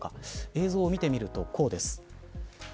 映像を見てみると、こうです。